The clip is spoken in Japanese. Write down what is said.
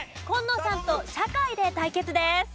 紺野さんと社会で対決です。